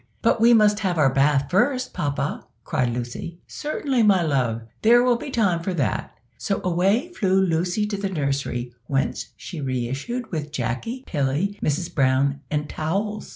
"But we must have our bathe first, papa," cried Lucy. "Certainly, my love, there will be time for that." So away flew Lucy to the nursery, whence she re issued with Jacky, Tilly, Mrs Brown, and towels.